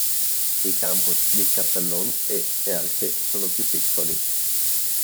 I campus di Castellón e Elche sono più piccoli.